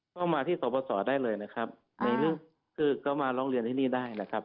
ก็มาที่สปสอได้เลยนะครับในรูปคือก็มาร้องเรียนที่นี่ได้นะครับ